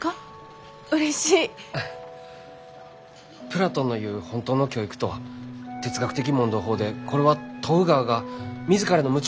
プラトンの言う本当の教育とは哲学的問答法でこれは問う側が自らの無知を自覚することによって。